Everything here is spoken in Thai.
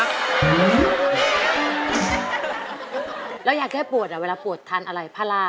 อเรนนี่ส์แล้วอยากได้ปวดอะเวลาปวดทานอะไรพลา